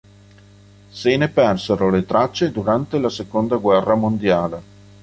Se ne persero le tracce durante la Seconda Guerra Mondiale.